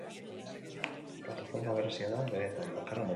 Plataforma berezia da benetan, bakarra munduan.